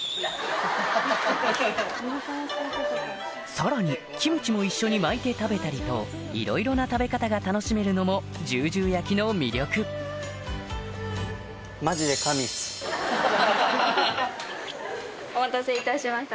さらにキムチも一緒に巻いて食べたりといろいろな食べ方が楽しめるのもじゅうじゅう焼きの魅力お待たせいたしました。